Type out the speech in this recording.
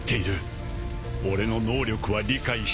俺の能力は理解しているはずだ。